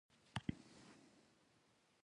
پیلوټ د قانون تابع شخصیت وي.